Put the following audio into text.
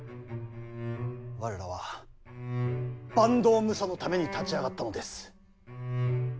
我らは坂東武者のために立ち上がったのです。